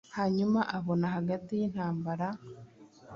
Hanyuma abona hagati yintambara-